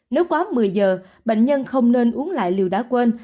nếu quá một mươi giờ bệnh nhân không nên uống lại liều đã quên